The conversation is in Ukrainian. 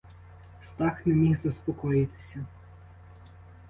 Стах не міг заспокоїтися.